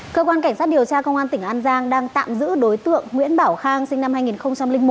cơ quan cảnh sát điều tra công an tỉnh an giang đang tạm giữ đối tượng nguyễn bảo khang sinh năm hai nghìn một